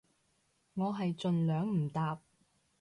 我係盡量唔搭